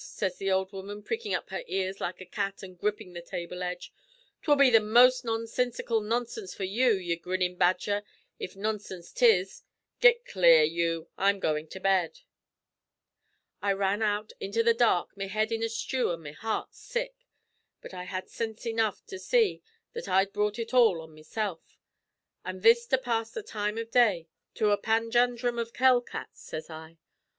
sez the ould woman, prickin' up her ears like a cat, an' grippin' the table edge. ''Twill be the most nonsinsical nonsinse for you, ye grinnin' badger, if nonsinse 'tis. Git clear, you. I'm goin' to bed.' "I ran out into the dhark, me head in a stew an' me heart sick, but I had sinse enough to see that I'd brought ut all on mesilf. 'It's this to pass the time av day to a panjandhrum of hell cats,' sez I.